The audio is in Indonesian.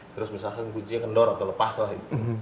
terus misalkan kuncinya kendor atau lepas lah